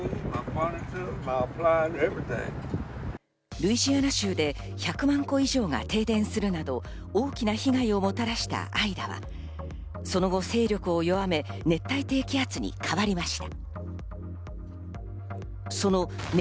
ルイジアナ州で１００万戸以上が停電するなど大きな被害をもたらしたアイダはその後、勢力を弱め熱帯低気圧に変わりました。